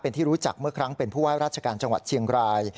เป็นที่รู้จักเมื่อครั้งเป็นผู้ว่าราชการจังหวัดเชียงราย